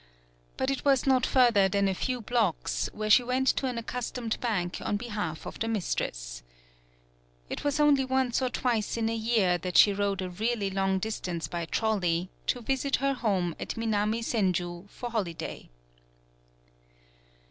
But it was not further than a few blocks where she went to an accustomed bank on behalf of the mis tress. It was only once or twice in a 74 THE BILL COLLECTING year that she rode a really long distance by trolley, to visit her home at Minami Senju for holiday.